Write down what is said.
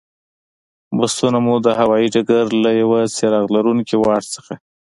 بسونه مو د هوایي ډګر له یوه څراغ لرونکي واټ نه.